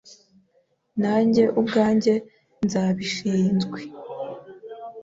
Nanjye ubwanjye nzabishinzwe.